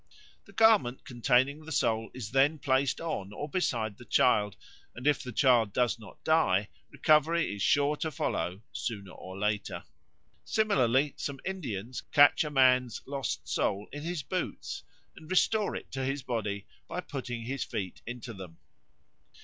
The garment containing the soul is then placed on or beside the child, and if the child does not die recovery is sure to follow, sooner or later. Similarly some Indians catch a man's lost soul in his boots and restore it to his body by putting his feet into them.